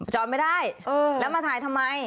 จอดไม่ได้แล้วมาถ่ายทำไม